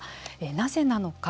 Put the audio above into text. なぜなのか。